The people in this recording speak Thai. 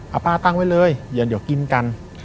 เอาป้าตั้งไว้เลยเดี๋ยวกินกัน